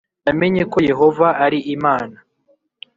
namenye ko Yehova ari Imana.